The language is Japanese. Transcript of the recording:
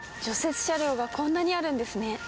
雪車両がこんなにあるんですね。